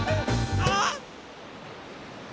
あっ。